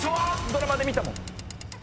ドラマで見たもん。